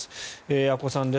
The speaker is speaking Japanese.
阿古さんです。